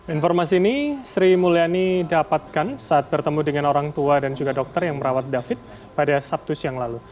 informasi ini sri mulyani dapatkan saat bertemu dengan orang tua dan juga dokter yang merawat david pada sabtu siang lalu